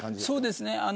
そうですね。